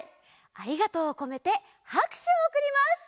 ありがとうをこめてはくしゅをおくります。